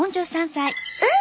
４３歳。